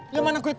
ya mana gue tau